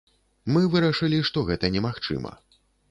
Мы вырашылі, што гэта немагчыма.